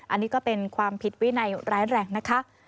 อันนี้ก็เป็นความผิดวินัยร้ายแรงนะคะ